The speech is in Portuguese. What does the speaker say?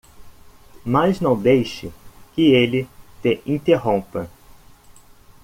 Mas não deixe que ele te interrompa.